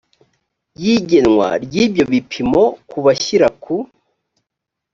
y igenwa ry ibyo bipimo ku bashyira ku